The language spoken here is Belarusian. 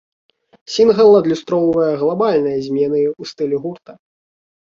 Сінгл адлюстроўвае глабальныя змены ў стылі гурта.